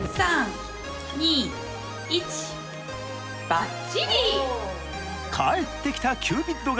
ばっちり。